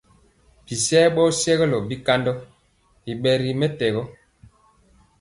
Bisayɛ ɓɔ sɛgɔlɔ bikandɔ i ɓɛ ri mɛtɛgɔ.